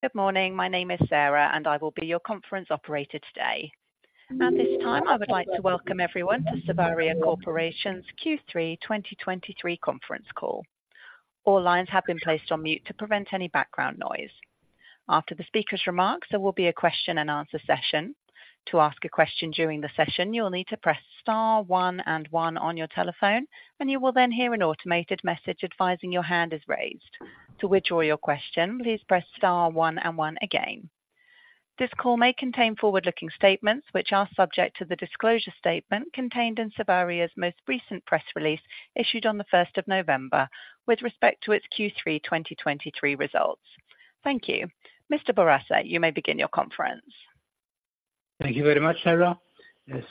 Good morning. My name is Sarah, and I will be your conference operator today. And at this time, I would like to welcome everyone to Savaria Corporation's Q3 2023 conference call. All lines have been placed on mute to prevent any background noise. After the speaker's remarks, there will be a question and answer session. To ask a question during the session, you will need to press star one and one on your telephone, and you will then hear an automated message advising your hand is raised. To withdraw your question, please press star one and one again. This call may contain forward-looking statements, which are subject to the disclosure statement contained in Savaria's most recent press release, issued on the 1st of November, with respect to its Q3 2023 results. Thank you. Mr. Bourassa, you may begin your conference. Thank you very much, Sarah.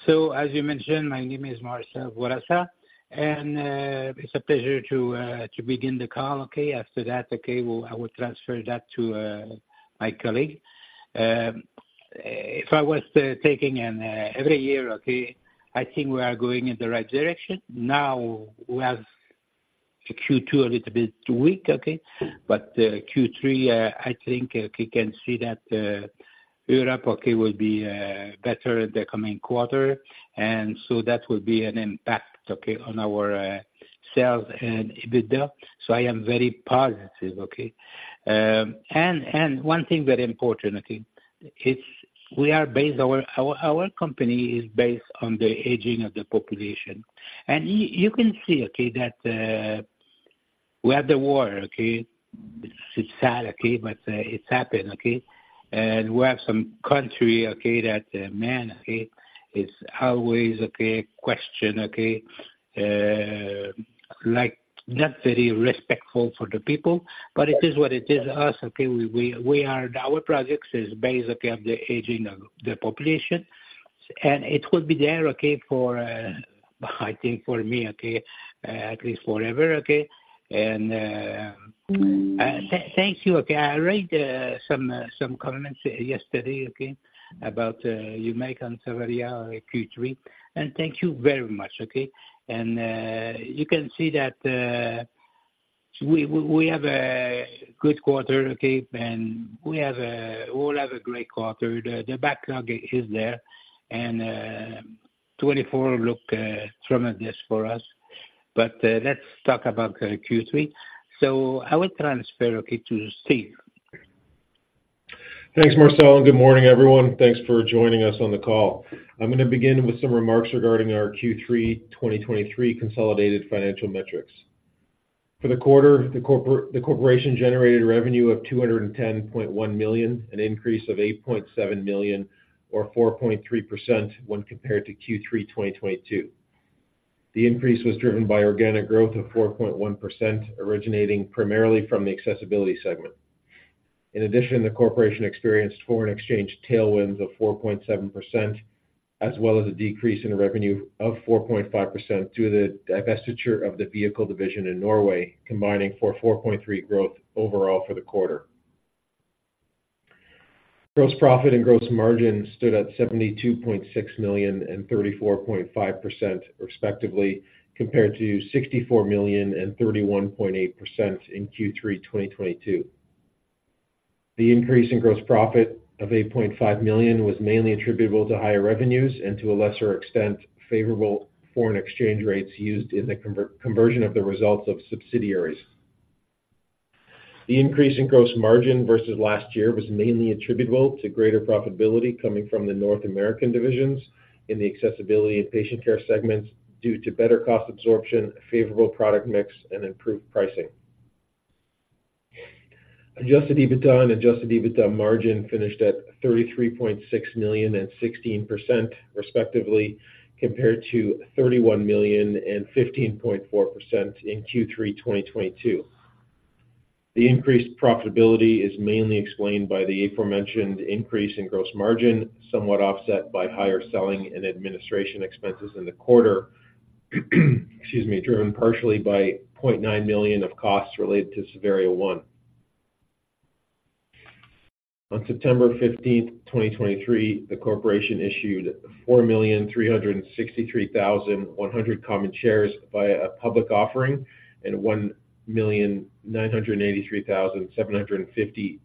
So as you mentioned, my name is Marcel Bourassa, and it's a pleasure to begin the call, okay. After that, okay, I will transfer that to my colleague. If I was taking in every year, okay, I think we are going in the right direction. Now, we have a Q2, a little bit weak, okay? But Q3, I think, okay, you can see that Europe will be better in the coming quarter, and so that will be an impact, okay, on our sales and EBITDA. So I am very positive, okay. And one thing very important, I think, it's our company is based on the aging of the population. And you can see, okay, that we have the war, okay? It's sad, okay, but it's happened, okay. We have some country, okay, that man, okay, is always, okay, question, okay, like not very respectful for the people, but it is what it is. Us, okay, we, we are—our projects is based, okay, on the aging of the population, and it will be there, okay, for I think, for me, okay, at least forever, okay. And thank you, okay. I read some comments yesterday, okay, about you make on Savaria Q3, and thank you very much, okay. And you can see that we, we, we have a good quarter, okay, and we'll have a great quarter. The backlog is there, and 2024 looks tremendous for us. But let's talk about Q3. So I will transfer, okay, to Steve. Thanks, Marcel, and good morning, everyone. Thanks for joining us on the call. I'm going to begin with some remarks regarding our Q3 2023 consolidated financial metrics. For the quarter, the corporation generated revenue of 210.1 million, an increase of 8.7 million, or 4.3% when compared to Q3 2022. The increase was driven by organic growth of 4.1%, originating primarily from the accessibility segment. In addition, the corporation experienced foreign exchange tailwinds of 4.7%, as well as a decrease in revenue of 4.5% due to the divestiture of the vehicle division in Norway, combining for 4.3% growth overall for the quarter. Gross profit and gross margin stood at 72.6 million and 34.5%, respectively, compared to 64 million and 31.8% in Q3 2022. The increase in gross profit of 8.5 million was mainly attributable to higher revenues and, to a lesser extent, favorable foreign exchange rates used in the conversion of the results of subsidiaries. The increase in gross margin versus last year was mainly attributable to greater profitability coming from the North American divisions in the accessibility and patient care segments due to better cost absorption, favorable product mix, and improved pricing. Adjusted EBITDA and adjusted EBITDA margin finished at 33.6 million and 16%, respectively, compared to 31 million and 15.4% in Q3 2022. The increased profitability is mainly explained by the aforementioned increase in gross margin, somewhat offset by higher selling and administration expenses in the quarter, excuse me, driven partially by 0.9 million of costs related to Savaria One. On September 15th, 2023, the corporation issued 4,363,100 common shares via a public offering and 1,983,750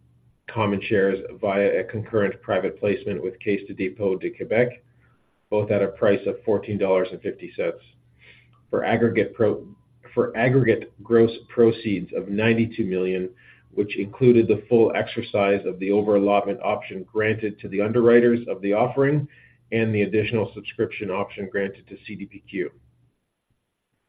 common shares via a concurrent private placement with Caisse de dépôt et placement du Québec, both at a price of 14.50 dollars. For aggregate gross proceeds of 92 million, which included the full exercise of the over-allotment option granted to the underwriters of the offering and the additional subscription option granted to CDPQ.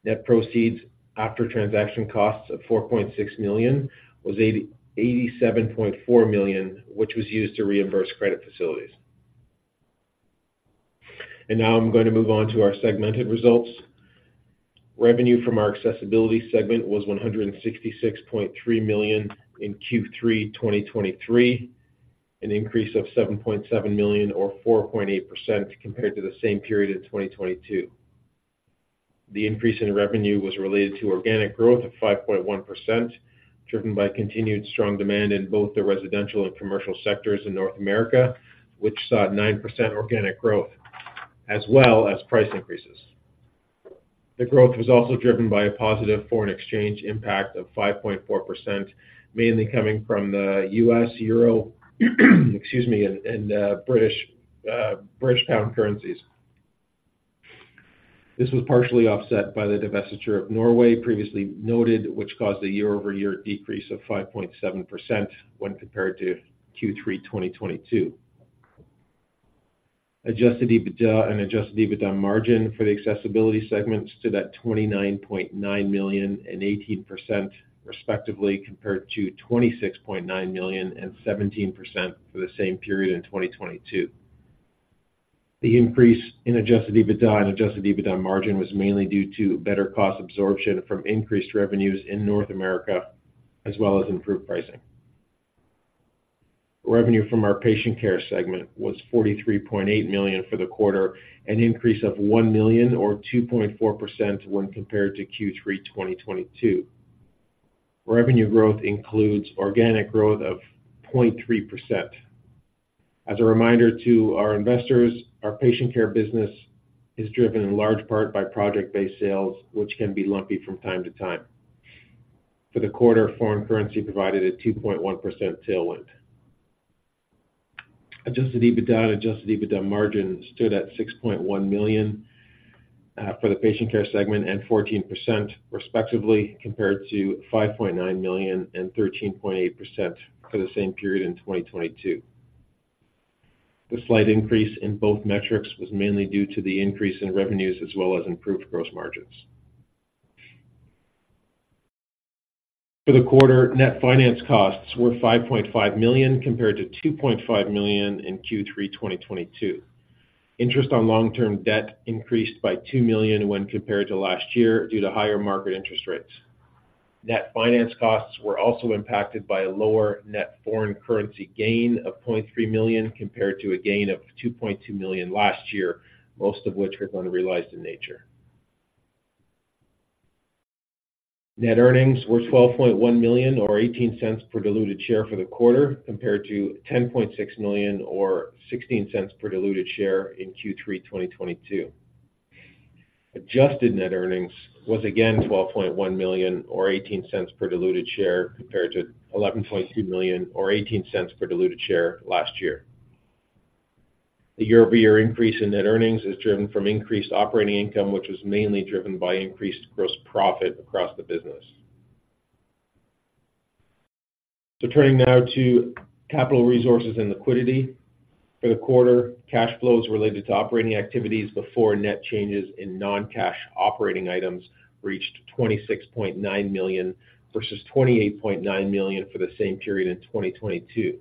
Net proceeds after transaction costs of 4.6 million was 87.4 million, which was used to reimburse credit facilities. Now I'm going to move on to our segmented results. Revenue from our accessibility segment was 166.3 million in Q3 2023, an increase of 7.7 million, or 4.8% compared to the same period in 2022. The increase in revenue was related to organic growth of 5.1%, driven by continued strong demand in both the residential and commercial sectors in North America, which saw 9% organic growth, as well as price increases. The growth was also driven by a positive foreign exchange impact of 5.4%, mainly coming from the U.S., Euro, excuse me, and British pound currencies. This was partially offset by the divestiture of Norway, previously noted, which caused a year-over-year decrease of 5.7% when compared to Q3 2022. Adjusted EBITDA and adjusted EBITDA margin for the accessibility segment stood at 29.9 million and 18% respectively, compared to 26.9 million and 17% for the same period in 2022. The increase in adjusted EBITDA and adjusted EBITDA margin was mainly due to better cost absorption from increased revenues in North America, as well as improved pricing. Revenue from our patient care segment was 43.8 million for the quarter, an increase of 1 million or 2.4% when compared to Q3 2022. Revenue growth includes organic growth of 0.3%. As a reminder to our investors, our patient care business is driven in large part by project-based sales, which can be lumpy from time to time. For the quarter, foreign currency provided a 2.1% tailwind. Adjusted EBITDA and adjusted EBITDA margin stood at 6.1 million for the patient care segment and 14% respectively, compared to 5.9 million and 13.8% for the same period in 2022. The slight increase in both metrics was mainly due to the increase in revenues as well as improved gross margins. For the quarter, net finance costs were 5.5 million, compared to 2.5 million in Q3 2022. Interest on long-term debt increased by 2 million when compared to last year due to higher market interest rates. Net finance costs were also impacted by a lower net foreign currency gain of 0.3 million, compared to a gain of 2.2 million last year, most of which were non-realized in nature. Net earnings were 12.1 million or 0.18 per diluted share for the quarter, compared to 10.6 million or 0.16 per diluted share in Q3 2022. Adjusted net earnings was again 12.1 million or 0.18 per diluted share, compared to 11.2 million or 0.18 per diluted share last year. The year-over-year increase in net earnings is driven from increased operating income, which was mainly driven by increased gross profit across the business. Turning now to capital resources and liquidity. For the quarter, cash flows related to operating activities before net changes in non-cash operating items reached 26.9 million versus 28.9 million for the same period in 2022.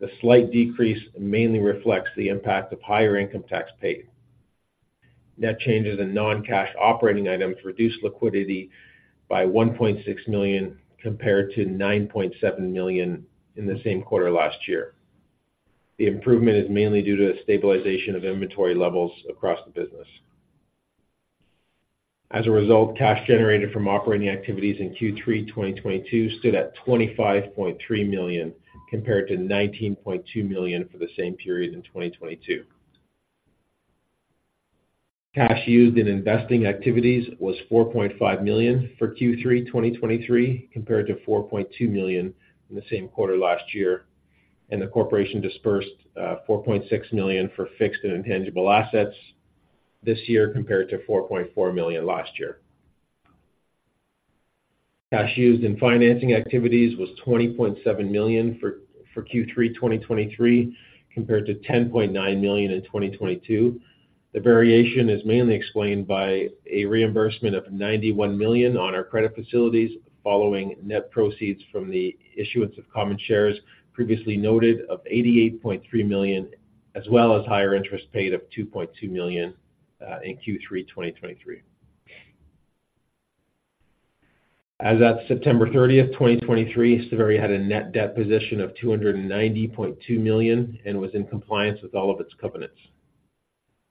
The slight decrease mainly reflects the impact of higher income tax paid. Net changes in non-cash operating items reduced liquidity by 1.6 million, compared to 9.7 million in the same quarter last year. The improvement is mainly due to the stabilization of inventory levels across the business. As a result, cash generated from operating activities in Q3 2022 stood at 25.3 million, compared to 19.2 million for the same period in 2022. Cash used in investing activities was 4.5 million for Q3 2023, compared to 4.2 million in the same quarter last year, and the corporation disbursed 4.6 million for fixed and intangible assets this year, compared to 4.4 million last year. Cash used in financing activities was 20.7 million for Q3 2023, compared to 10.9 million in 2022. The variation is mainly explained by a reimbursement of 91 million on our credit facilities, following net proceeds from the issuance of common shares previously noted of 88.3 million, as well as higher interest paid of 2.2 million in Q3 2023. As at September 30th, 2023, Savaria had a net debt position of 290.2 million and was in compliance with all of its covenants.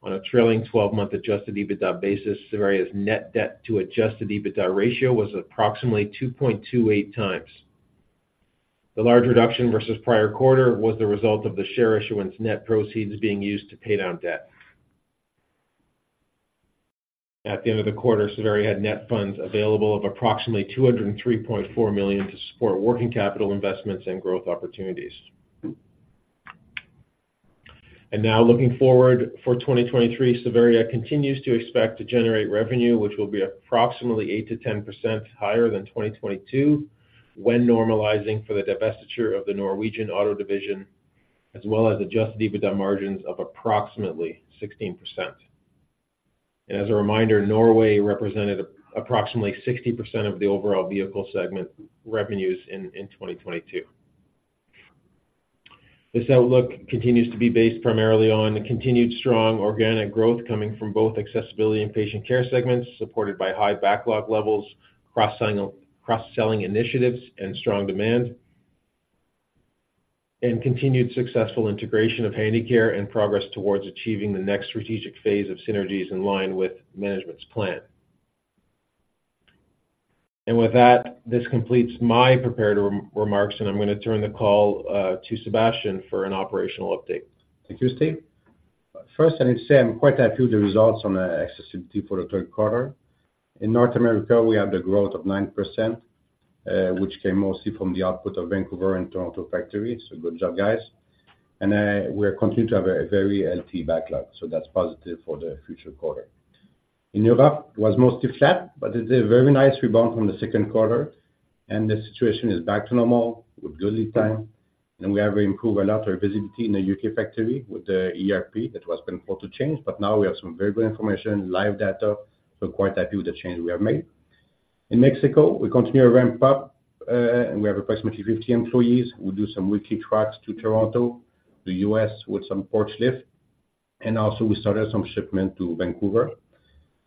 On a trailing 12-month Adjusted EBITDA basis, Savaria's net debt to Adjusted EBITDA ratio was approximately 2.28x. The large reduction versus prior quarter was the result of the share issuance net proceeds being used to pay down debt. At the end of the quarter, Savaria had net funds available of approximately 203.4 million to support working capital investments and growth opportunities. Now looking forward, for 2023, Savaria continues to expect to generate revenue, which will be approximately 8%-10% higher than 2022 when normalizing for the divestiture of the Norwegian auto division, as well as Adjusted EBITDA margins of approximately 16%. As a reminder, Norway represented approximately 60% of the overall vehicle segment revenues in 2022. This outlook continues to be based primarily on the continued strong organic growth coming from both accessibility and patient care segments, supported by high backlog levels, cross-selling initiatives and strong demand, and continued successful integration of Handicare and progress towards achieving the next strategic phase of synergies in line with management's plan. And with that, this completes my prepared remarks, and I'm gonna turn the call to Sébastien for an operational update. Thank you, Steve. First, I need to say I'm quite happy with the results on the accessibility for the third quarter. In North America, we have the growth of 9%, which came mostly from the output of Vancouver and Toronto factories. So good job, guys. And, we continue to have a very healthy backlog, so that's positive for the future quarter. In Europe, was mostly flat, but it's a very nice rebound from the second quarter, and the situation is back to normal with good lead time. And we have improved a lot our visibility in the U.K. factory with the ERP. It was painful to change, but now we have some very good information, live data, so quite happy with the change we have made. In Mexico, we continue to ramp up, and we have approximately 50 employees. We do some weekly trucks to Toronto, the U.S., with some porch lift, and also we started some shipment to Vancouver.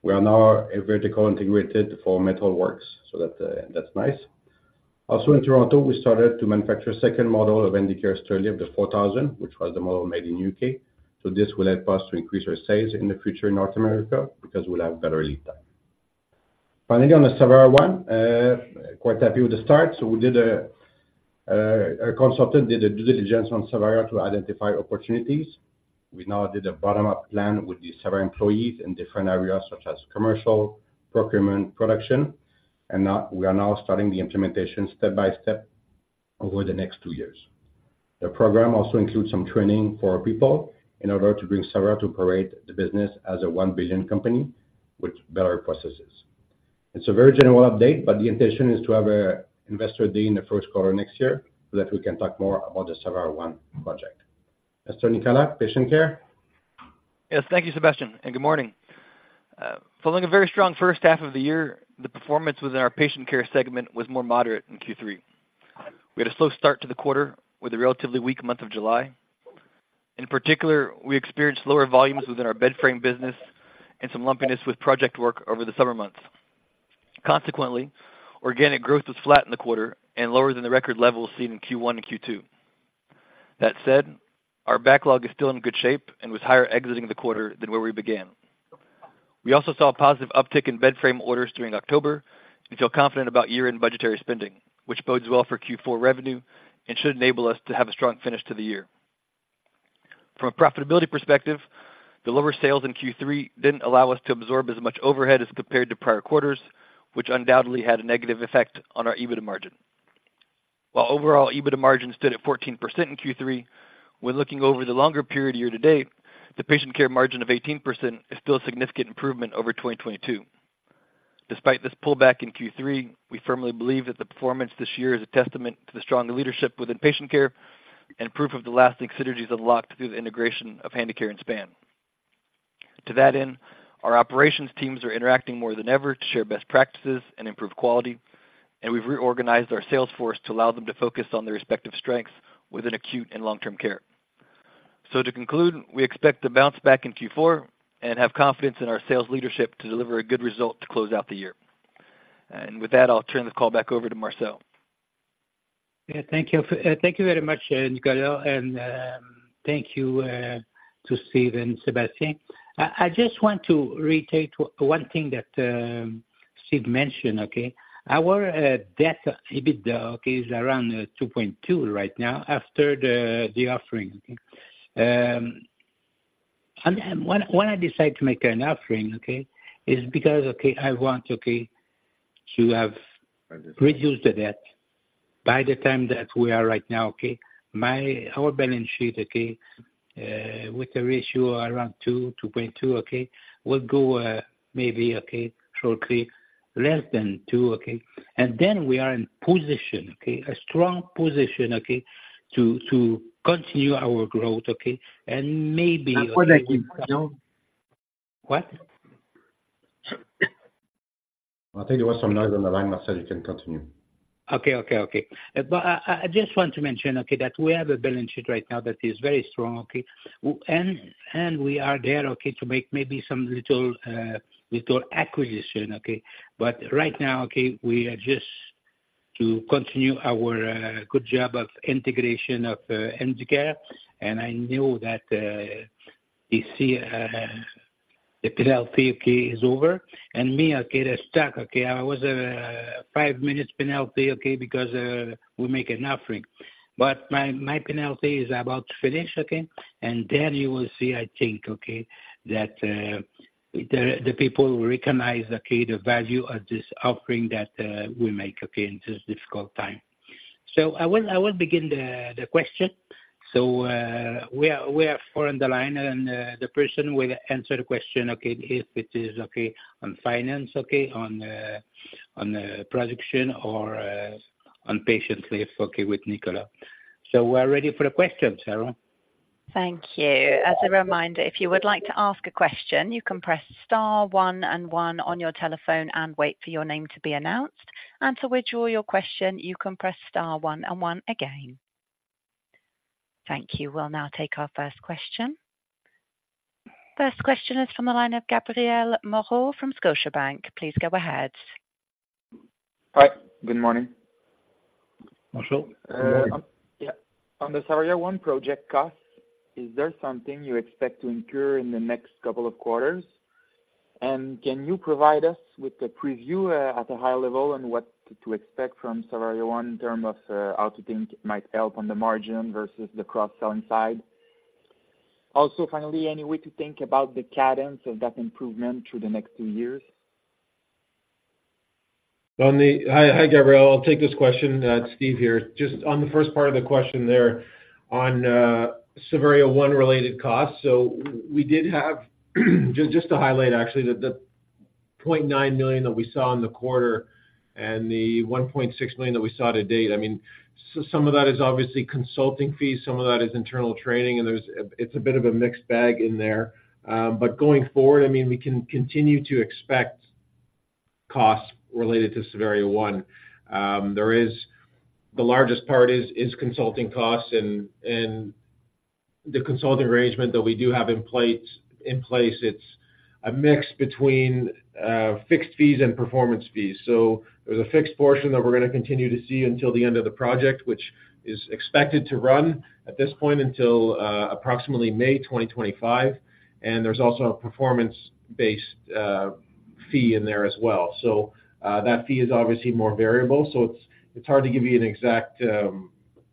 We are now vertically integrated for metal works, so that, that's nice. Also in Toronto, we started to manufacture second model of Handicare stairlift, the 4000, which was the model made in the U.K. So this will help us to increase our sales in the future in North America because we'll have better lead time. Finally, on the Savaria One, quite happy with the start. So a consultant did a due diligence on Savaria to identify opportunities. We now did a bottom-up plan with the Savaria employees in different areas such as commercial, procurement, production, and now, we are starting the implementation step by step over the next two years. The program also includes some training for our people in order to bring Savaria to operate the business as a 1 billion company with better processes. It's a very general update, but the intention is to have an investor day in the first quarter next year, so that we can talk more about the Savaria One project. Mr. Nicolas, patient care? Yes, thank you, Sébastien, and good morning. Following a very strong first half of the year, the performance within our patient care segment was more moderate in Q3. We had a slow start to the quarter with a relatively weak month of July. In particular, we experienced lower volumes within our bed frame business and some lumpiness with project work over the summer months. Consequently, organic growth was flat in the quarter and lower than the record levels seen in Q1 and Q2. That said, our backlog is still in good shape and was higher exiting the quarter than where we began. We also saw a positive uptick in bed frame orders during October and feel confident about year-end budgetary spending, which bodes well for Q4 revenue and should enable us to have a strong finish to the year. From a profitability perspective, the lower sales in Q3 didn't allow us to absorb as much overhead as compared to prior quarters, which undoubtedly had a negative effect on our EBITDA margin. While overall EBITDA margin stood at 14% in Q3, when looking over the longer period year to date, the patient care margin of 18% is still a significant improvement over 2022. Despite this pullback in Q3, we firmly believe that the performance this year is a testament to the strong leadership within patient care and proof of the lasting synergies unlocked through the integration of Handicare and Span. To that end, our operations teams are interacting more than ever to share best practices and improve quality, and we've reorganized our sales force to allow them to focus on their respective strengths within acute and long-term care. To conclude, we expect to bounce back in Q4 and have confidence in our sales leadership to deliver a good result to close out the year. With that, I'll turn the call back over to Marcel. Yeah, thank you. Thank you very much, Carlo, and, thank you to Steve and Sébastien. I just want to reiterate one thing that Steve mentioned, okay? Our debt EBITDA is around 2.2 million right now after the offering. And when I decide to make an offering is because I want to have reduced the debt by the time that we are right now, okay? Our balance sheet with a ratio around two, 2.2 million will go maybe shortly less than two, okay? And then we are in position, a strong position to continue our growth, and maybe- I think you know. What? I think there was some noise on the line, Marcel. You can continue. Okay, okay, okay. But I just want to mention, okay, that we have a balance sheet right now that is very strong, okay? And we are there, okay, to make maybe some little, little acquisition, okay? But right now, okay, we are just to continue our good job of integration of Handicare, and I know that you see the penalty, okay, is over. And me, okay, the stock, okay, I was five minutes penalty, okay, because we make an offering. But my penalty is about to finish, okay? And then you will see, I think, okay, that the people recognize, okay, the value of this offering that we make, okay, in this difficult time. So I will begin the question. So, we are four on the line, and the person will answer the question, okay, if it is okay on finance, okay, on production or on patient lift, okay, with Nicolas. So we're ready for the question, Sarah. Thank you. As a reminder, if you would like to ask a question, you can press star one and one on your telephone and wait for your name to be announced. And to withdraw your question, you can press star one and one again. Thank you. We'll now take our first question. First question is from the line of Gabriel Moreau from Scotiabank. Please go ahead. Hi, good morning. Marcel? Yeah, on the Savaria One project costs, is there something you expect to incur in the next couple of quarters? And can you provide us with a preview, at a high level on what to expect from Savaria One in terms of, how to think it might help on the margin versus the cross-selling side? Also, finally, any way to think about the cadence of that improvement through the next two years? Hi, hi, Gabriel. I'll take this question. Steve here. Just on the first part of the question there, on Savaria One related costs. So we did have, just to highlight actually, that the 0.9 million that we saw in the quarter and the 1.6 million that we saw to date, I mean, some of that is obviously consulting fees, some of that is internal training, and there's a, it's a bit of a mixed bag in there. But going forward, I mean, we can continue to expect costs related to Savaria One. There is, the largest part is consulting costs, and the consulting arrangement that we do have in place, it's a mix between fixed fees and performance fees. So there's a fixed portion that we're gonna continue to see until the end of the project, which is expected to run at this point until approximately May 2025. And there's also a performance-based fee in there as well. So that fee is obviously more variable, so it's hard to give you an exact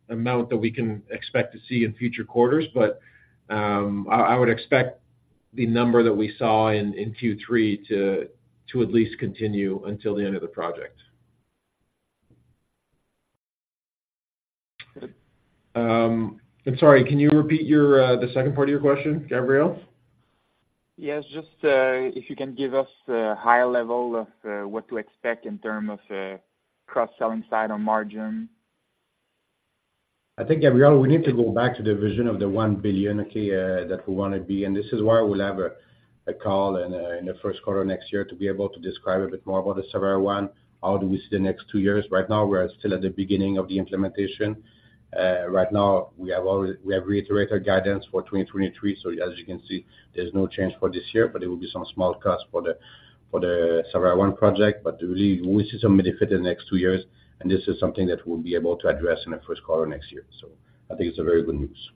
amount that we can expect to see in future quarters, but I would expect the number that we saw in Q3 to at least continue until the end of the project. I'm sorry, can you repeat your the second part of your question, Gabriel? Yes. Just, if you can give us a high level of what to expect in terms of cross-selling side on margin? I think, Gabriel, we need to go back to the vision of the 1 billion, okay, that we wanna be, and this is why we'll have a call in the first quarter next year to be able to describe a bit more about the Savaria One, how we see the next two years. Right now, we are still at the beginning of the implementation. Right now, we have already reiterated guidance for 2023, so as you can see, there's no change for this year, but there will be some small costs for the Savaria One project. But we see some benefit in the next two years, and this is something that we'll be able to address in the first quarter next year. So I think it's a very good news.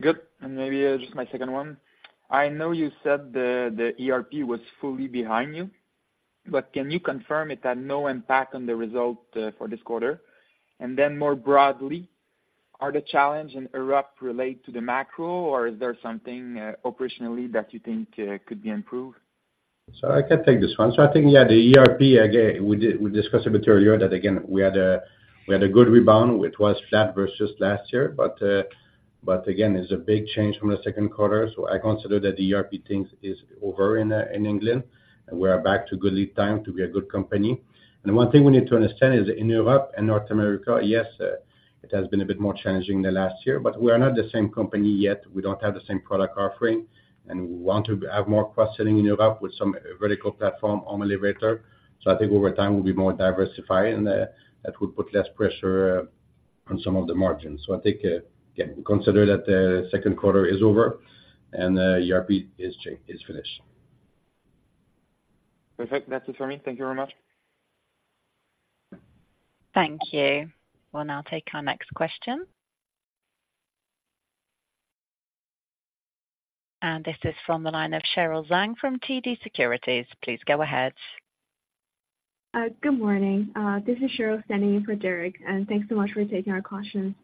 Good. And maybe, just my second one: I know you said the, the ERP was fully behind you, but can you confirm it had no impact on the result, for this quarter? And then more broadly, are the challenge in Europe relate to the macro, or is there something, operationally that you think, could be improved? So I can take this one. So I think, yeah, the ERP, again, we did, we discussed a bit earlier that again, we had a, we had a good rebound, which was flat versus last year. But, but again, it's a big change from the second quarter, so I consider that the ERP things is over in, in England, and we are back to good lead time, to be a good company. And one thing we need to understand is that in Europe and North America, yes, it has been a bit more challenging the last year, but we are not the same company yet. We don't have the same product offering, and we want to have more cross-selling in Europe with some vertical platform on the elevator. So I think over time, we'll be more diversified, and that will put less pressure on some of the margins. So I think again, we consider that the second quarter is over, and ERP is finished. Perfect. That's it for me. Thank you very much. Thank you. We'll now take our next question. This is from the line of Cheryl Zhang from TD Securities. Please go ahead. Good morning. This is Cheryl standing in for Derek, and thanks so much for taking our questions.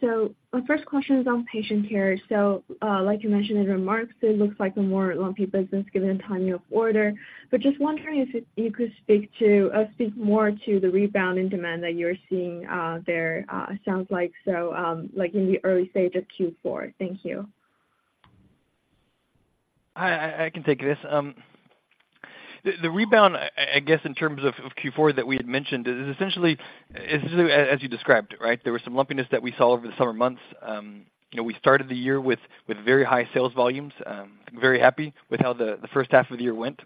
So my first question is on patient care. So, like you mentioned in remarks, it looks like a more lumpy business given the timing of order. But just wondering if you, you could speak to, speak more to the rebound in demand that you're seeing, there. Sounds like so, like in the early stage of Q4. Thank you. Hi, I can take this. The rebound, I guess in terms of Q4 that we had mentioned, is essentially as you described, right? There was some lumpiness that we saw over the summer months. You know, we started the year with very high sales volumes, very happy with how the first half of the year went.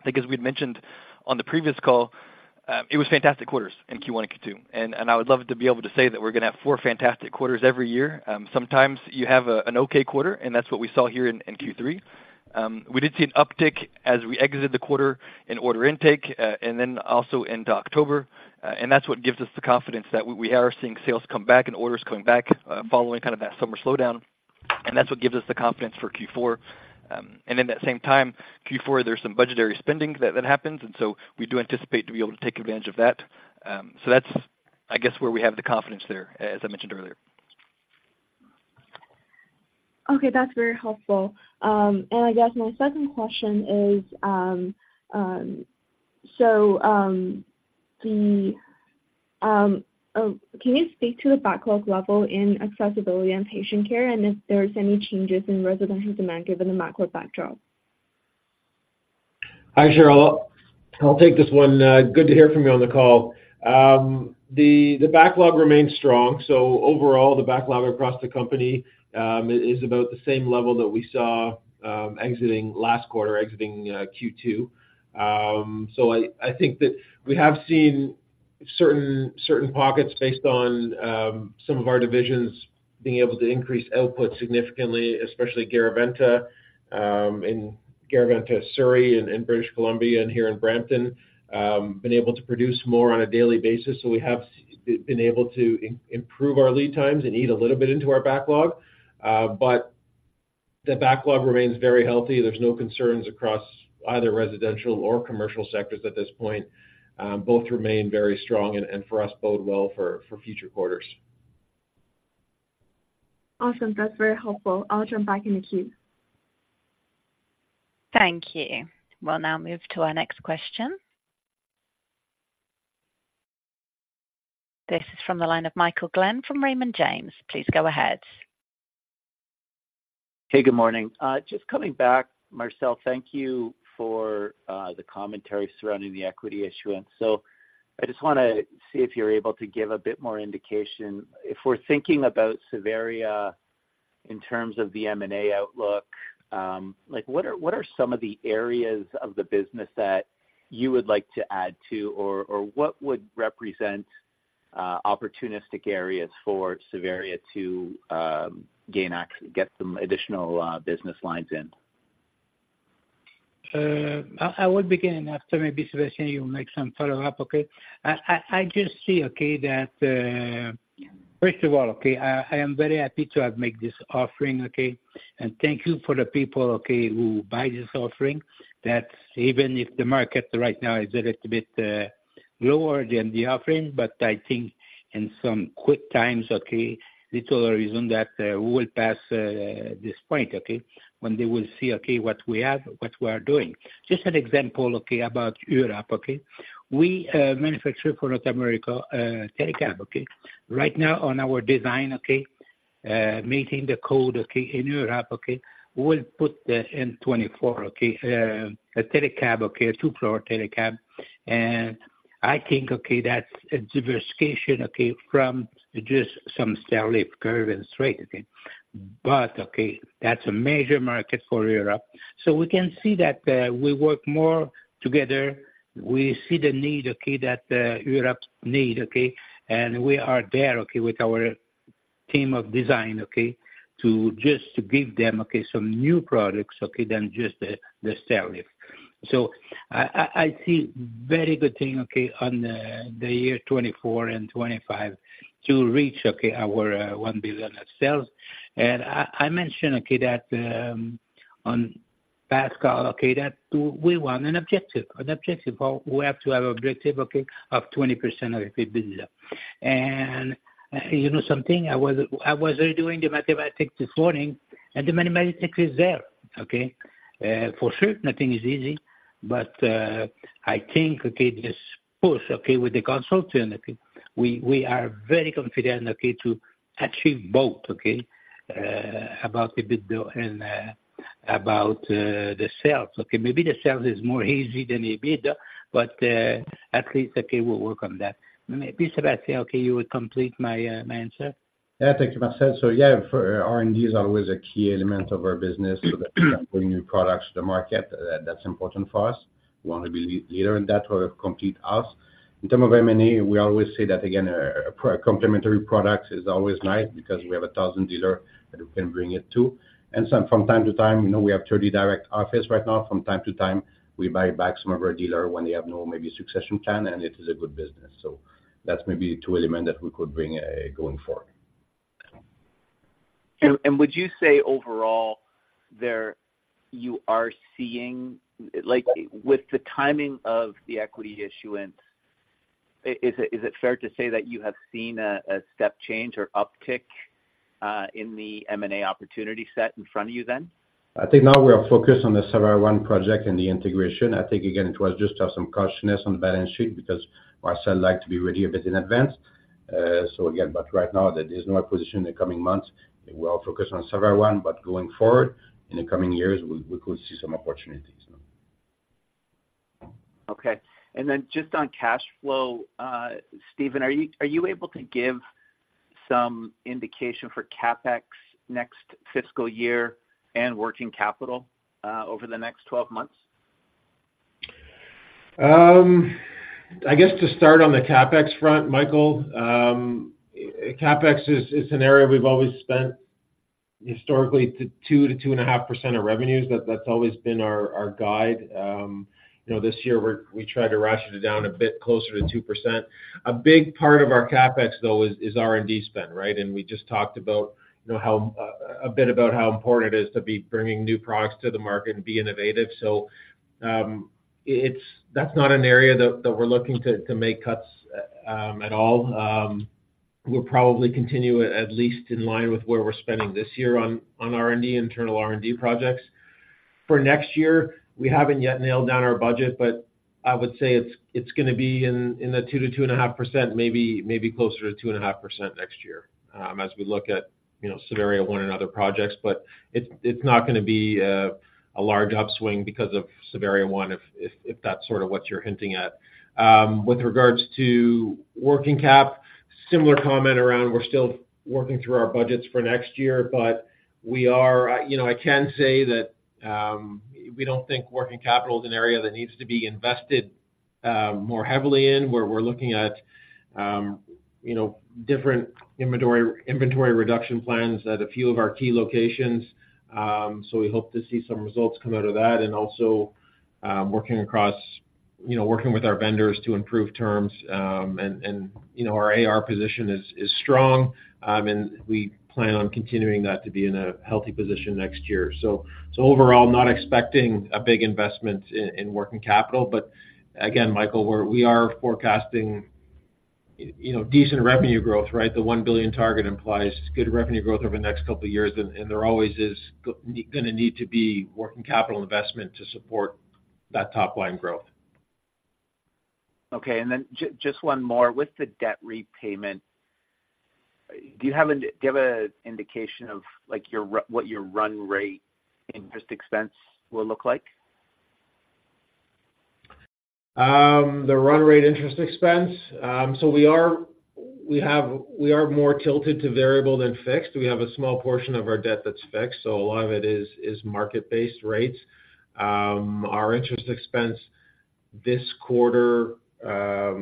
I think as we had mentioned on the previous call, it was fantastic quarters in Q1 and Q2. And I would love to be able to say that we're gonna have four fantastic quarters every year. Sometimes you have an okay quarter, and that's what we saw here in Q3. We did see an uptick as we exited the quarter in order intake, and then also into October, and that's what gives us the confidence that we are seeing sales come back and orders coming back, following kind of that summer slowdown, and that's what gives us the confidence for Q4. And then that same time, Q4, there's some budgetary spending that happens, and so we do anticipate to be able to take advantage of that. So that's, I guess, where we have the confidence there, as I mentioned earlier. Okay, that's very helpful. And I guess my second question is, so, can you speak to the backlog level in accessibility and patient care, and if there is any changes in residential demand given the macro backdrop? Hi, Cheryl. I'll take this one. Good to hear from you on the call. The backlog remains strong, so overall, the backlog across the company is about the same level that we saw exiting last quarter, exiting Q2. So I think that we have seen certain pockets based on some of our divisions being able to increase output significantly, especially Garaventa in Garaventa Surrey and in British Columbia and here in Brampton been able to produce more on a daily basis. So we have been able to improve our lead times and eat a little bit into our backlog. But the backlog remains very healthy. There's no concerns across either residential or commercial sectors at this point. Both remain very strong and for us bode well for future quarters. Awesome. That's very helpful. I'll jump back in the queue. Thank you. We'll now move to our next question. This is from the line of Michael Glen from Raymond James. Please go ahead. Hey, good morning. Just coming back, Marcel, thank you for the commentary surrounding the equity issuance. So I just wanna see if you're able to give a bit more indication. If we're thinking about Savaria in terms of the M&A outlook, like, what are, what are some of the areas of the business that you would like to add to, or, or what would represent opportunistic areas for Savaria to gain acc- get some additional business lines in? I would begin, and after maybe Sébastien, you'll make some follow-up, okay? I just see, okay, that first of all, okay, I am very happy to have make this offering, okay? And thank you for the people, okay, who buy this offering, that even if the market right now is a little bit lower than the offering, but I think in some quick times, okay, little reason that we will pass this point, okay? When they will see, okay, what we have, what we are doing. Just an example, okay, about Europe, okay? We manufacture for North America Telecab, okay? Right now, on our design, okay, meeting the code, okay, in Europe, okay, we'll put the N24, okay, a Telecab, okay, a two-floor Telecab. And I think, okay, that's a diversification, okay, from just some stair lift curve and straight, okay. But, okay, that's a major market for Europe. So we can see that, we work more together. We see the need, okay, that, Europe need, okay, and we are there, okay, with our team of design, okay, to just to give them, okay, some new products, okay, than just the, the stair lift. So I, I, I see very good thing, okay, on the, the year 2024 and 2025 to reach, okay, our, 1 billion of sales. And I, I mentioned, okay, that, on past call, okay, that we want an objective, an objective, or we have to have objective, okay, of 20% of EBITDA. And, you know something, I was, I was redoing the mathematics this morning, and the mathematics is there, okay? For sure, nothing is easy, but I think, okay, this push, okay, with the consultant, okay, we are very confident, okay, to achieve both, okay, about EBITDA and about the sales, okay? Maybe the sales is more easy than EBITDA, but at least, okay, we'll work on that. Maybe, Sébastien, okay, you will complete my answer. Yeah. Thank you, Marcel. So yeah, for R&D is always a key element of our business, so that bringing new products to the market, that's important for us. We want to be the leader in that or complete us. In terms of M&A, we always say that again, complementary products is always nice because we have 1,000 dealers that we can bring it to. From time to time, you know, we have 30 direct offices right now. From time to time, we buy back some of our dealers when they have no, maybe succession plan, and it is a good business. So that's maybe two elements that we could bring going forward. Would you say overall there, you are seeing... Like, with the timing of the equity issuance, is it fair to say that you have seen a step change or uptick in the M&A opportunity set in front of you then? I think now we are focused on the Savaria One project and the integration. I think again, it was just have some cautiousness on the balance sheet because Marcel like to be ready a bit in advance. So again, but right now there is no acquisition in the coming months. We are all focused on Savaria One, but going forward, in the coming years, we, we could see some opportunities now. Okay. Then just on cash flow, Stephen, are you able to give some indication for CapEx next fiscal year and working capital over the next 12 months? I guess to start on the CapEx front, Michael, CapEx is an area we've always spent historically 2%-2.5% of revenues. That's always been our guide. You know, this year we tried to ratchet it down a bit closer to 2%. A big part of our CapEx, though, is R&D spend, right? And we just talked about, you know, a bit about how important it is to be bringing new products to the market and be innovative. So, that's not an area that we're looking to make cuts at all. We'll probably continue at least in line with where we're spending this year on R&D, internal R&D projects. For next year, we haven't yet nailed down our budget, but I would say it's gonna be in the 2%-2.5%, maybe closer to 2.5% next year, as we look at, you know, Savaria One and other projects, but it's not gonna be a large upswing because of Savaria One, if that's sort of what you're hinting at. With regards to working cap, similar comment around, we're still working through our budgets for next year, but you know, I can say that we don't think working capital is an area that needs to be invested-... more heavily in, where we're looking at, you know, different inventory, inventory reduction plans at a few of our key locations. So we hope to see some results come out of that, and also, working across, you know, working with our vendors to improve terms. And, and, you know, our AR position is, is strong, and we plan on continuing that to be in a healthy position next year. So overall, not expecting a big investment in working capital. But again, Michael, we are forecasting, you know, decent revenue growth, right? The 1 billion target implies good revenue growth over the next couple of years, and there always is gonna need to be working capital investment to support that top line growth. Okay. And then just one more. With the debt repayment, do you have an indication of, like, what your run rate interest expense will look like? The run rate interest expense? So we are more tilted to variable than fixed. We have a small portion of our debt that's fixed, so a lot of it is market-based rates. Our interest expense this quarter, I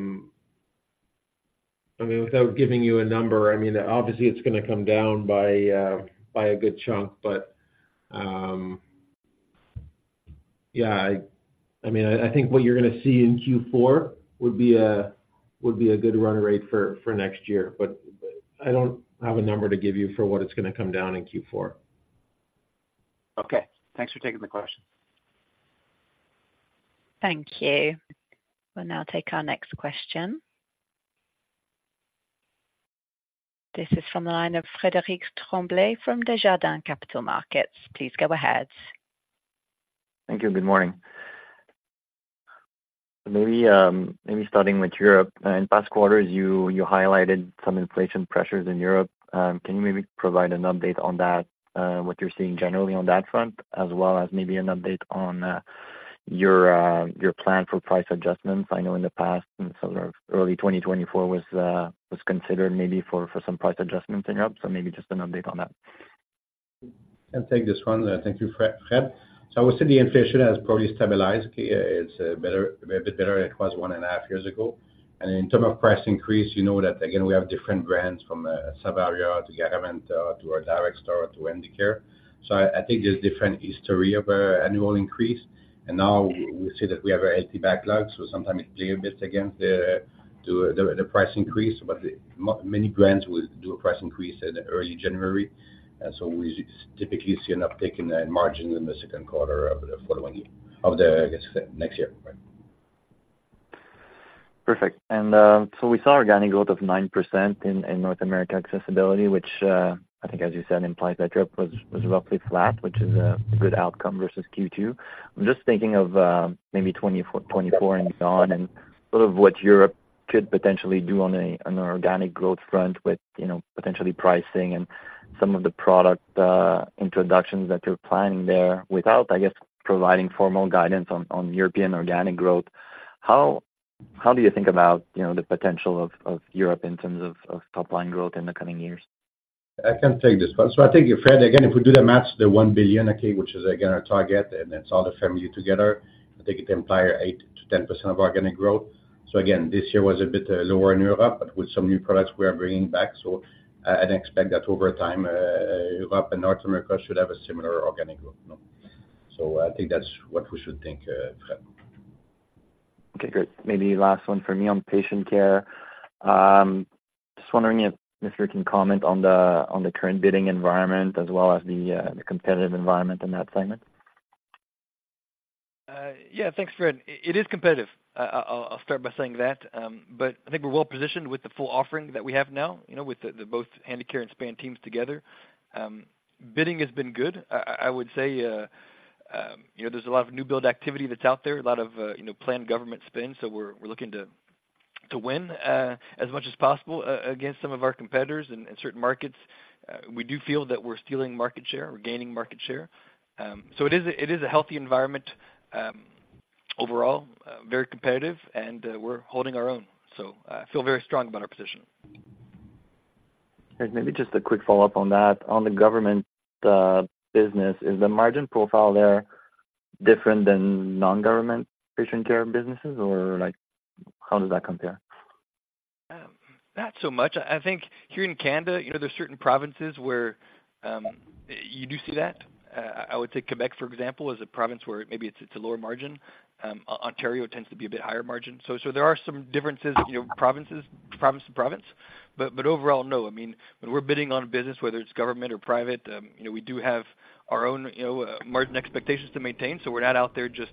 mean, without giving you a number, I mean, obviously it's gonna come down by a good chunk, but, yeah, I mean, I think what you're gonna see in Q4 would be a good run rate for next year. But I don't have a number to give you for what it's gonna come down in Q4. Okay, thanks for taking the question. Thank you. We'll now take our next question. This is from the line of Frédéric Tremblay from Desjardins Capital Markets. Please go ahead. Thank you, good morning. Maybe, maybe starting with Europe. In past quarters, you highlighted some inflation pressures in Europe. Can you maybe provide an update on that, what you're seeing generally on that front, as well as maybe an update on your plan for price adjustments? I know in the past, and sort of early 2024 was considered maybe for some price adjustments in Europe, so maybe just an update on that. I'll take this one. Thank you, Fred. So I would say the inflation has probably stabilized. It's better, a bit better than it was one and a half years ago. And in terms of price increase, you know that, again, we have different brands, from Savaria to Garaventa to our direct store to Handicare. So I think there's different history of our annual increase, and now we see that we have a healthy backlog, so sometimes it play a bit against the to the price increase. But many brands will do a price increase in early January, so we typically see an uptick in the margins in the second quarter of the following year, of the I guess next year. Perfect. So we saw organic growth of 9% in North America Accessibility, which, I think, as you said, implies that Europe was roughly flat, which is a good outcome versus Q2. I'm just thinking of maybe 2024 and beyond, and sort of what Europe could potentially do on an organic growth front with, you know, potentially pricing and some of the product introductions that you're planning there. Without, I guess, providing formal guidance on European organic growth, how do you think about, you know, the potential of Europe in terms of top line growth in the coming years? I can take this one. So I think, Fréd, again, if we do the math, the 1 billion, okay, which is again, our target, and it's all the family together, I think it imply 8%-10% of organic growth. So again, this year was a bit lower in Europe, but with some new products we are bringing back, so I'd expect that over time, Europe and North America should have a similar organic growth. So I think that's what we should think, Fréd. Okay, great. Maybe last one for me on patient care. Just wondering if you can comment on the current bidding environment as well as the competitive environment in that segment. Yeah, thanks, Fréd. It is competitive. I'll start by saying that. But I think we're well positioned with the full offering that we have now, you know, with the both Handicare and Span teams together. Bidding has been good. I would say, you know, there's a lot of new build activity that's out there, a lot of, you know, planned government spend, so we're looking to win as much as possible against some of our competitors in certain markets. We do feel that we're stealing market share, we're gaining market share. So it is a healthy environment, overall, very competitive and we're holding our own, so I feel very strong about our position. Maybe just a quick follow-up on that. On the government business, is the margin profile there different than non-government patient care businesses, or like, how does that compare? Not so much. I think here in Canada, you know, there's certain provinces where you do see that. I would say Quebec, for example, is a province where maybe it's a lower margin. Ontario tends to be a bit higher margin. So there are some differences, you know, provinces, province to province, but overall, no. I mean, when we're bidding on a business, whether it's government or private, you know, we do have our own, you know, margin expectations to maintain, so we're not out there just,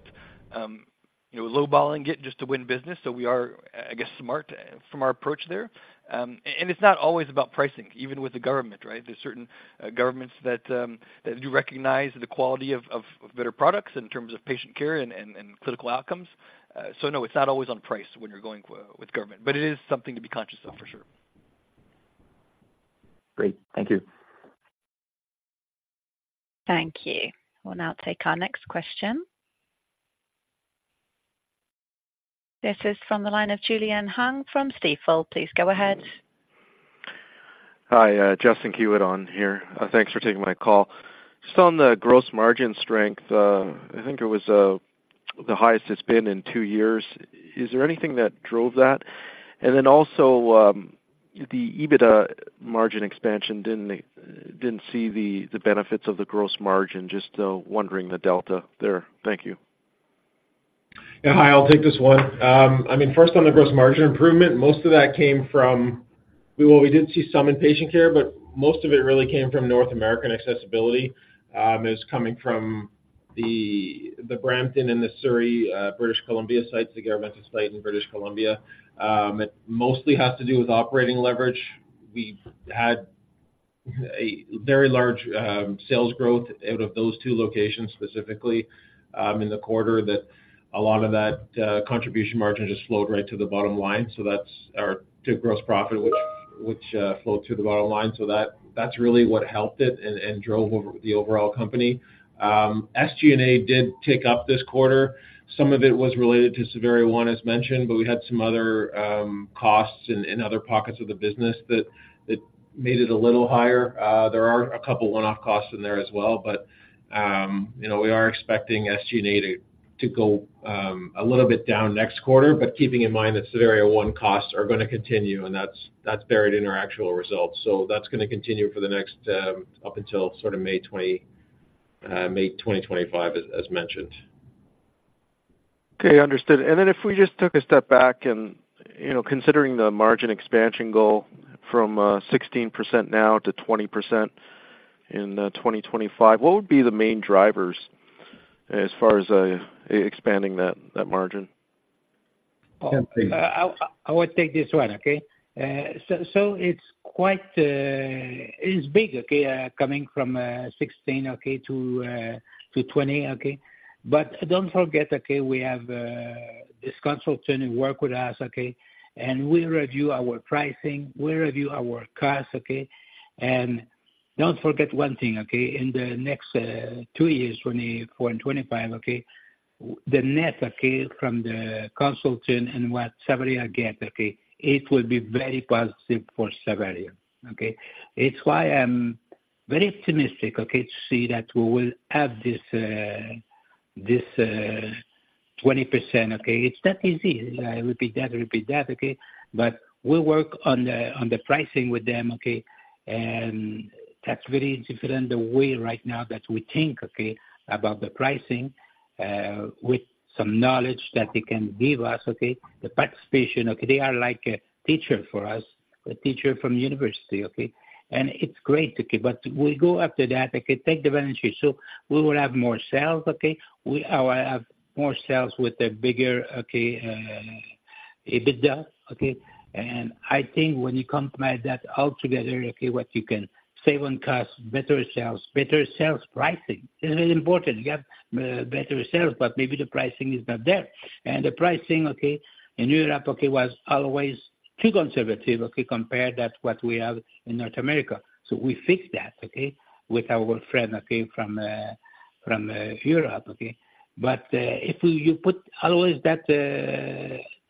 you know, lowballing it just to win business. So we are, I guess, smart from our approach there. And it's not always about pricing, even with the government, right? There's certain governments that that do recognize the quality of better products in terms of patient care and clinical outcomes. So no, it's not always on price when you're going with government, but it is something to be conscious of, for sure. Great. Thank you. Thank you. We'll now take our next question. This is from the line of Julian Hung from Stifel. Please go ahead. Hi, Justin Keywood on here. Thanks for taking my call. Just on the gross margin strength, I think it was, the highest it's been in two years. Is there anything that drove that? And then also, the EBITDA margin expansion didn't see the benefits of the gross margin. Just, wondering the delta there. Thank you. Yeah, hi, I'll take this one. I mean, first, on the gross margin improvement, most of that came from... Well, we did see some in patient care, but most of it really came from North American accessibility. It's coming from the Brampton and the Surrey, British Columbia sites, the governmental site in British Columbia. It mostly has to do with operating leverage. We've had a very large sales growth out of those two locations, specifically, in the quarter, that a lot of that contribution margin just flowed right to the bottom line. So that's to gross profit, which flowed to the bottom line. So that's really what helped it and drove over the overall company. SG&A did tick up this quarter. Some of it was related to Savaria One, as mentioned, but we had some other costs in other pockets of the business that made it a little higher. There are a couple one-off costs in there as well, but, you know, we are expecting SG&A to go a little bit down next quarter. But keeping in mind that Savaria One costs are gonna continue, and that's buried in our actual results. So that's gonna continue for the next up until sort of May 2025, as mentioned. Okay, understood. And then if we just took a step back and, you know, considering the margin expansion goal from 16% now to 20% in 2025, what would be the main drivers as far as expanding that margin? I will take this one, okay? So it's quite... It's big, okay, coming from 16%, okay, to 20%, okay? But don't forget, okay, we have this consultant who work with us, okay? And we review our pricing, we review our costs, okay? And don't forget one thing, okay? In the next two years, 2024 and 2025, okay, the net, okay, from the consultant and what Savaria get, okay, it will be very positive for Savaria, okay? It's why I'm very optimistic, okay, to see that we will have this 20%, okay. It's that easy. I repeat that, repeat that, okay? But we'll work on the pricing with them, okay, and that's very different the way right now that we think, okay, about the pricing, with some knowledge that they can give us, okay? The participation, okay, they are like a teacher for us, a teacher from university, okay? And it's great, okay, but we go after that, okay, take the advantage. So we will have more sales, okay? Or we'll have more sales with a bigger, okay, EBITDA, okay? And I think when you combine that all together, okay, what you can save on cost, better sales, better sales pricing. This is important. You have better sales, but maybe the pricing is not there. And the pricing, okay, in Europe, okay, was always too conservative, okay, compared that what we have in North America. So we fixed that, okay? With our friend, okay, from Europe, okay? If you put always that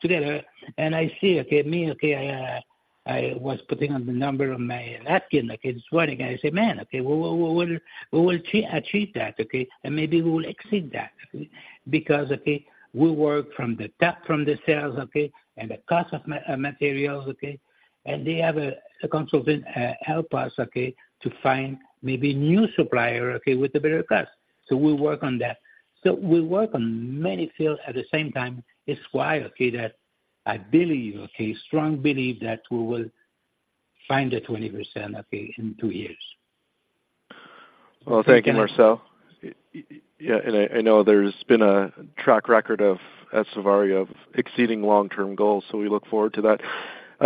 together... And I see, okay, me, okay, I was putting on the number on my napkin, like, it's working. I say, "Man, okay, w-w-w-we will achieve that, okay, and maybe we will exceed that." Because, okay, we work from the top, from the sales, okay, and the cost of materials, okay, and they have a consultant help us, okay, to find maybe new supplier, okay, with a better cost. We work on that. We work on many fields at the same time. It's why, okay, that I believe, okay, strong believe that we will find the 20%, okay, in two years. Well, thank you, Marcel. Yeah, and I, I know there's been a track record of, at Savaria, of exceeding long-term goals, so we look forward to that.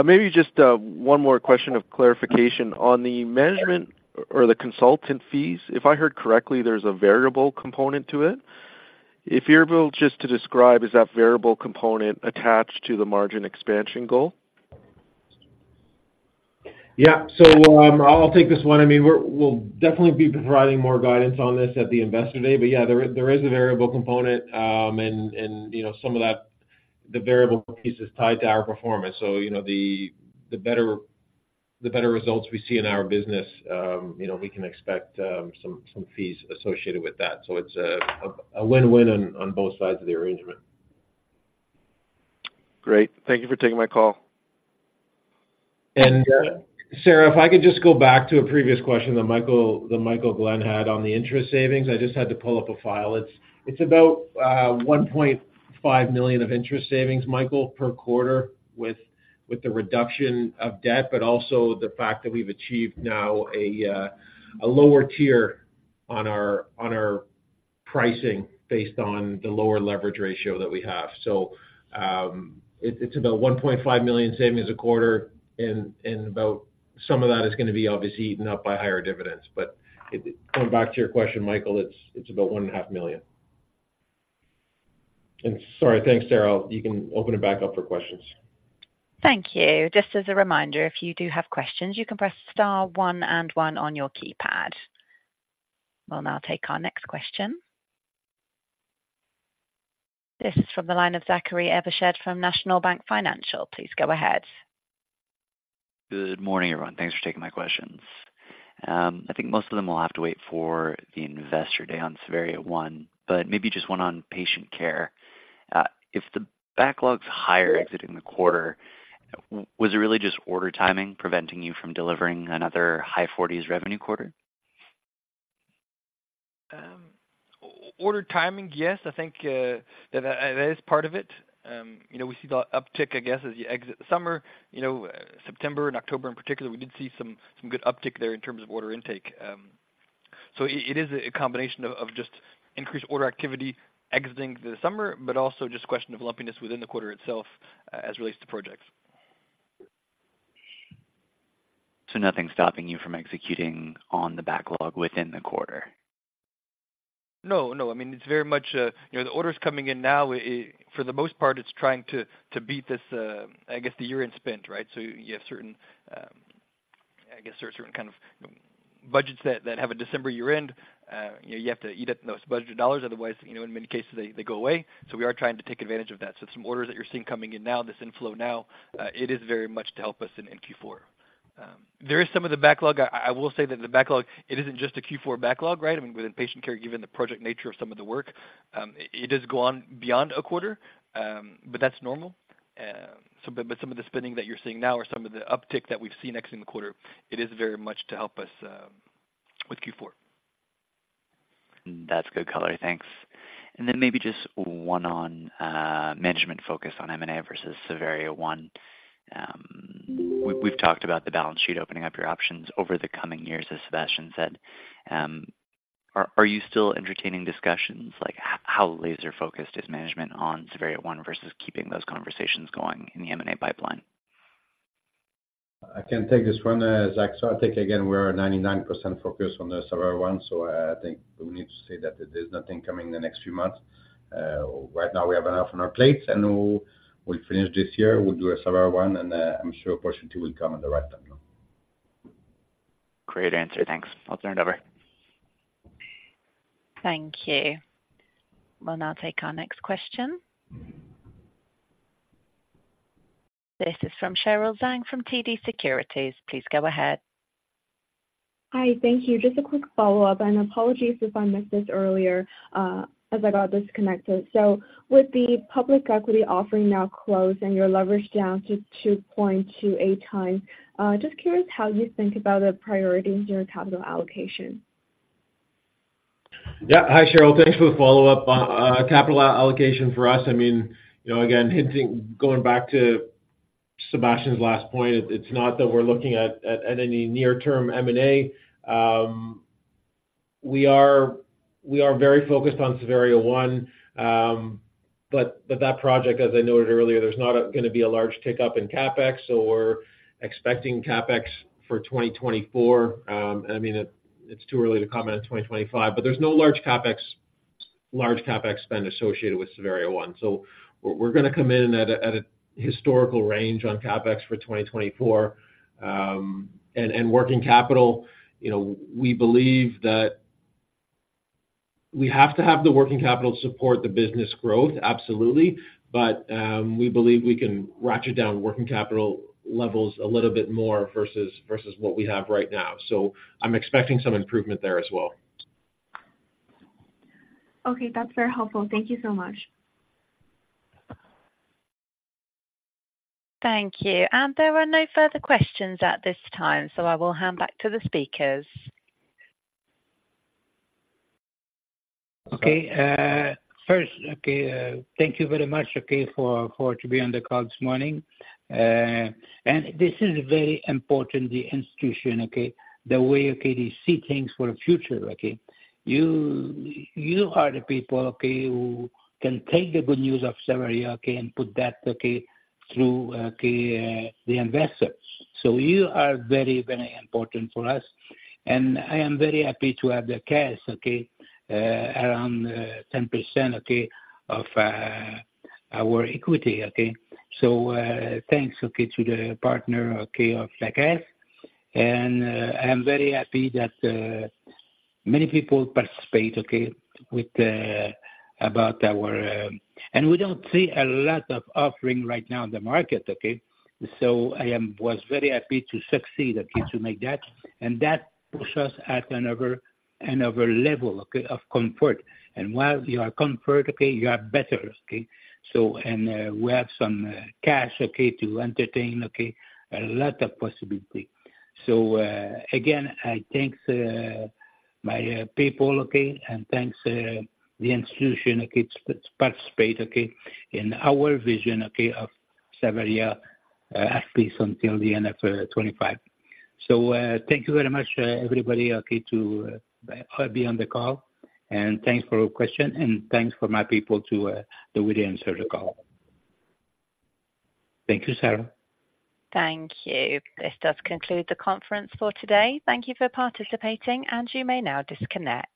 Maybe just one more question of clarification. On the measurement or the consultant fees, if I heard correctly, there's a variable component to it. If you're able just to describe, is that variable component attached to the margin expansion goal? Yeah. So, I'll take this one. I mean, we'll definitely be providing more guidance on this at the Investor Day. But yeah, there is a variable component, and, you know, some of that, the variable piece is tied to our performance. So, you know, the better results we see in our business, you know, we can expect some fees associated with that. So it's a win-win on both sides of the arrangement. Great. Thank you for taking my call. And, Sarah, if I could just go back to a previous question that Michael, that Michael Glen had on the interest savings. I just had to pull up a file. It's, it's about one point five million of interest savings, Michael, per quarter, with, with the reduction of debt, but also the fact that we've achieved now a lower tier on our, on our pricing based on the lower leverage ratio that we have. So, it's, it's about 1.5 million savings a quarter, and, and about some of that is gonna be obviously eaten up by higher dividends. But it- coming back to your question, Michael, it's, it's about 1.5 million. And sorry. Thanks, Sarah. You can open it back up for questions. Thank you. Just as a reminder, if you do have questions, you can press star one and one on your keypad. We'll now take our next question. This is from the line of Zachary Evershed from National Bank Financial. Please go ahead. Good morning, everyone. Thanks for taking my questions. I think most of them will have to wait for the Investor Day on Savaria One, but maybe just one on patient care. If the backlog's higher exiting the quarter, was it really just order timing preventing you from delivering another high 40s revenue quarter? Order timing, yes. I think that is part of it. You know, we see the uptick, I guess, as you exit summer, you know, September and October in particular, we did see some good uptick there in terms of order intake. So it is a combination of just increased order activity exiting the summer, but also just a question of lumpiness within the quarter itself, as it relates to projects. So nothing stopping you from executing on the backlog within the quarter? No, no. I mean, it's very much, you know, the orders coming in now, for the most part, it's trying to beat this, I guess, the year-end spend, right? So you have certain, I guess, there are certain kind of budgets that have a December year-end. You know, you have to eat up those budgeted dollars, otherwise, you know, in many cases, they go away. So we are trying to take advantage of that. So some orders that you're seeing coming in now, this inflow now, it is very much to help us in Q4. There is some of the backlog. I will say that the backlog, it isn't just a Q4 backlog, right? I mean, within patient care, given the project nature of some of the work, it does go on beyond a quarter, but that's normal. But some of the spending that you're seeing now or some of the uptick that we've seen exiting the quarter, it is very much to help us, with Q4. That's good color. Thanks. And then maybe just one on management focus on M&A versus Savaria One. We've talked about the balance sheet opening up your options over the coming years, as Sébastien said. Are you still entertaining discussions? Like, how laser-focused is management on Savaria One versus keeping those conversations going in the M&A pipeline? I can take this one, Zach. So I think, again, we are 99% focused on the Savaria One, so I think we need to say that there's nothing coming in the next few months. Right now we have enough on our plates, and we'll, we'll finish this year, we'll do a Savaria One, and, I'm sure opportunity will come at the right time, you know. Great answer. Thanks. I'll turn it over. Thank you. We'll now take our next question. This is from Cheryl Zhang, from TD Securities. Please go ahead. Hi. Thank you. Just a quick follow-up, and apologies if I missed this earlier, as I got disconnected. So with the public equity offering now closed and your leverage down to 2.28x, just curious how you think about the priority in your capital allocation? Yeah. Hi, Cheryl, thanks for the follow-up. Capital allocation for us, I mean, you know, again, hinting, going back to Sebastian's last point, it's not that we're looking at any near-term M&A. We are very focused on Savaria One, but that project, as I noted earlier, there's not gonna be a large tick up in CapEx, so we're expecting CapEx for 2024. I mean, it's too early to comment on 2025, but there's no large CapEx spend associated with Savaria One. So we're gonna come in at a historical range on CapEx for 2024. And working capital, you know, we believe that we have to have the working capital to support the business growth, absolutely. We believe we can ratchet down working capital levels a little bit more versus what we have right now. I'm expecting some improvement there as well. Okay. That's very helpful. Thank you so much. Thank you. There are no further questions at this time, so I will hand back to the speakers. Okay, first, okay, thank you very much, okay, for, for to be on the call this morning. And this is very important, the institution, okay? The way, okay, they see things for the future, okay? You, you are the people, okay, who can take the good news of Savaria, okay, and put that, okay, through, okay, the investors. So you are very, very important for us, and I am very happy to have the cash, okay, around 10% of our equity, okay? So, thanks, okay, to the partner, okay, of BlackRock. And, I'm very happy that, many people participate, okay, with about our. And we don't see a lot of offering right now in the market, okay? So I was very happy to succeed, okay, to make that, and that puts us at another level, okay, of comfort. And while you are comfortable, okay, you are better, okay? So we have some cash, okay, to entertain, okay, a lot of possibility. So again, I thank my people, okay, and thanks to the institutions, okay, that participate, okay, in our vision, okay, of Savaria, at least until the end of 2025. So thank you very much, everybody, okay, to be on the call, and thanks for your question, and thanks to my people for the way they answer the call. Thank you, Sarah. Thank you. This does conclude the conference for today. Thank you for participating, and you may now disconnect.